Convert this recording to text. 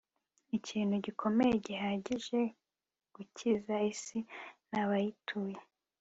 ikintu gikomeye gihagije gukiza isi nabayituye